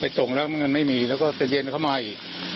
ไปตรงแล้วไม่มีแล้วก็จนเกนขึ้นมาอีก